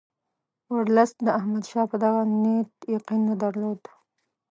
ورلسټ د احمدشاه په دغه نیت یقین نه درلود.